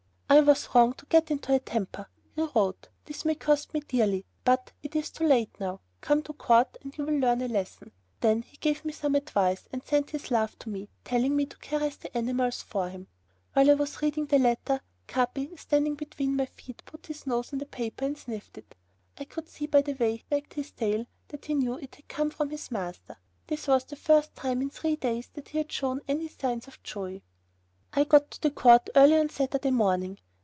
"I was wrong to get into a temper," he wrote. "This may cost me dearly, but it is too late now. Come to the court, you will learn a lesson." Then he gave me some advice, and sent his love to me, telling me to caress the animals for him. While I was reading the letter, Capi, standing between my feet, put his nose to the paper, and sniffed it. I could see by the way he wagged his tail that he knew it had come from his master. This was the first time in three days that he had showed any signs of joy. I got to the court early on Saturday morning.